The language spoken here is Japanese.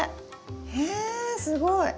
えすごい！